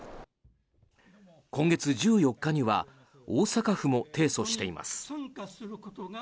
今月１４日には大阪府も提訴しています。